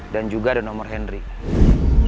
dan juga ada nomor temennya